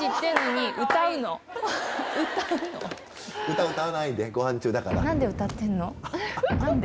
「歌歌わないでごはん中だから」。